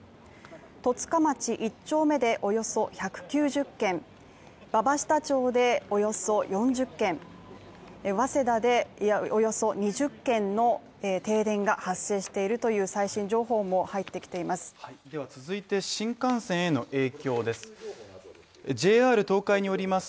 戸塚町１丁目でおよそ１９０軒、馬場下町でおよそ４０軒早稲田でおよそ２０軒の停電が発生しているという最新情報も入ってきています。